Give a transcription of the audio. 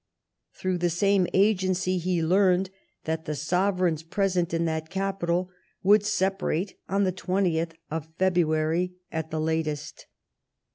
Through the same agency he learned that the sovereigns present in that capital would separate on the 20th of February at the latest.